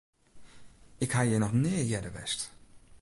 Ik ha hjir noch nea earder west.